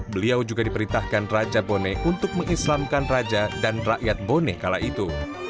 beliau juga diperintahkan raja boneh untuk mengislamkan raja dan rakyat boneh kala itu